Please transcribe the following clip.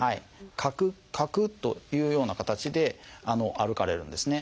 カクカクというような形で歩かれるんですね。